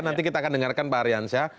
nanti kita akan dengarkan pak aryansyah